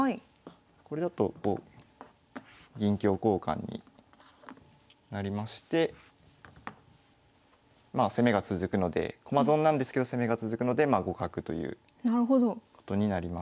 これだと銀香交換になりましてまあ攻めが続くので駒損なんですけど攻めが続くのでまあ互角ということになります。